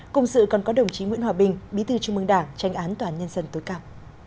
cùng sự còn có đồng chí nguyễn hòa bình bí thư trung mương đảng tranh án tòa án nhân dân tối cao